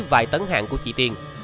vài tấn hàng của chị tiên